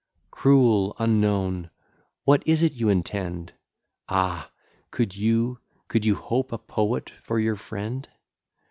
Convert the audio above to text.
Cruel unknown! what is it you intend? Ah! could you, could you hope a poet for your friend!